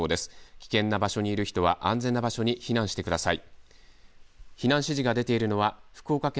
危険な場所にいる人は、安全な場所に避難してください。